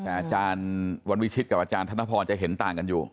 แต่อาจารย์วันวิชิตกับอาจารย์ธนพรจะเห็นต่างกันอยู่